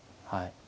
はい。